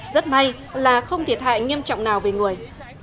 rất may là không thiệt hại nghiêm trọng nào về người